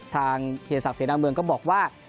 ทางเทศศักดิ์เสนามเมืองก็บอกว่า